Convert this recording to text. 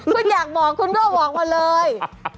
คุณอยากบอกคุณก็บอกมาเลย